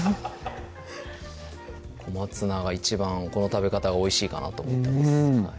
小松菜が一番この食べ方がおいしいかなと思ってます